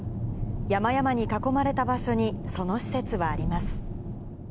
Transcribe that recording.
山々に囲まれた場所にその施設はあります。